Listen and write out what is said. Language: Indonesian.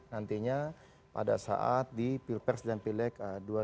nantinya pada saat di pilpers dan pilek dua ribu dua puluh empat